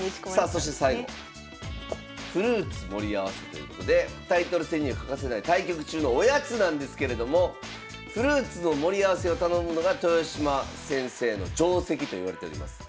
そして最後「フルーツ盛り合わせ」ということでタイトル戦には欠かせない対局中のおやつなんですけれどもフルーツの盛り合わせを頼むのが豊島先生の定跡といわれております。